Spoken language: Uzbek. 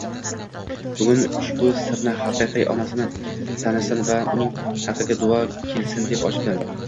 Bugun ushbu sirni xaqiqiy onasini tanisin va uning haqqiga duo kelsin deb ochdim.